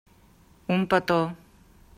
Un petó.